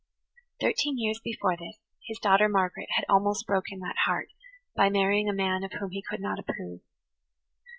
Thirteen years before this, his daughter Margaret had almost broken that heart by marrying a man of whom he could not approve.